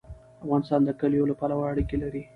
افغانستان د کلیو له پلوه اړیکې لري.